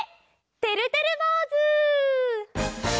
てるてるぼうず！